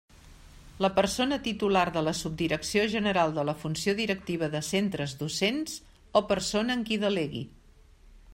La persona titular de la Subdirecció general de la Funció Directiva de Centres Docents o persona en qui delegui.